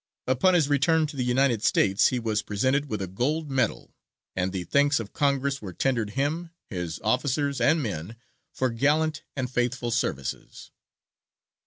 Upon his return to the United States he was presented with a gold medal, and the thanks of Congress were tendered him, his officers, and men, for gallant and faithful services.